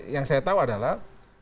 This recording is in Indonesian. yang saya tahu adalah